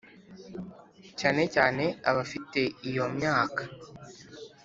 cyane cyane abafite iyo myaka